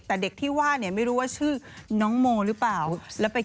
แต่เด็กที่ว่าเนี่ยไม่รู้ว่าชื่อน้องโมหรือเปล่า